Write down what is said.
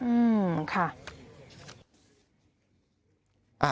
อืมค่ะ